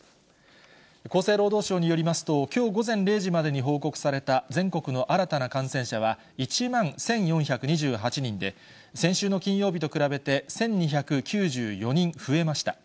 厚生労働省によりますと、きょう午前０時までに報告された全国の新たな感染者は１万１４２８人で、先週の金曜日と比べて１２９４人増えました。